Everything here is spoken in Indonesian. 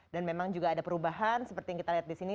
dan memang juga ada perubahan seperti yang kita lihat di sini